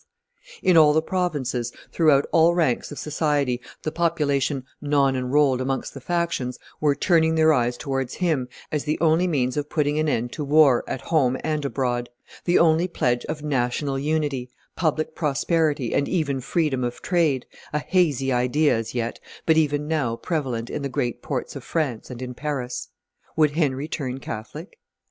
In all the provinces, throughout all ranks of society, the population non enrolled amongst the factions were turning their eyes towards him as the only means of putting an end to war at home and abroad, the only pledge of national unity, public prosperity, and even freedom of trade, a hazy idea as yet, but even now prevalent in the great ports of France and in Paris. Would Henry turn Catholic?